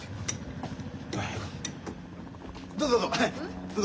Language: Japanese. どうぞどうぞ。